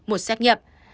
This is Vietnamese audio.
một xét nghiệm